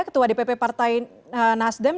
ketua dpp partai nasdem